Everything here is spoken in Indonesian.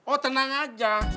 oh tenang aja